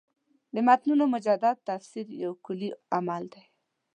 د متنونو مجدد تفسیر یو کُلي عمل دی.